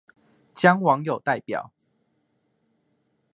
將網友代表